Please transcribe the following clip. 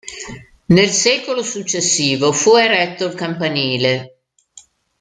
Nel secolo successivo fu eretto il campanile.